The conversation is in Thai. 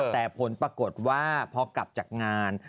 แต่ผลปรากฏว่าพอกลับจากงาน